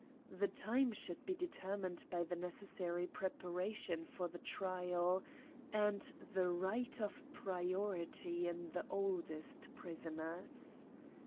The time should be determined by the necessary preparation for the trial, and the right of priority in the oldest pri soners.